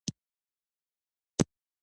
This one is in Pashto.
هلکان او انجونې دواړه؟